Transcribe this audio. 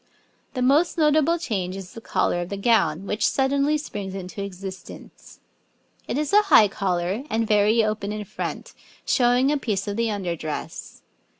The most notable change is the collar of the gown, which suddenly springs into existence. It is a high collar and very open in front, showing a piece of the under dress.